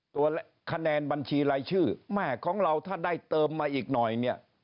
ตัวคะแนนบัญชีรายชื่อแม่ของเราถ้าได้เติมมาอีกหน่อยเนี่ย